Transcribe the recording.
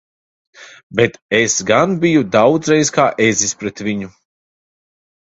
Bet es gan biju daudzreiz kā ezis pret viņu!